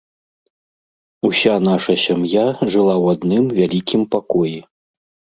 Уся наша сям'я жыла ў адным вялікім пакоі.